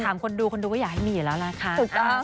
ถามคนดูคนดูก็อยากให้มีแล้วล่ะค่ะสุดยอม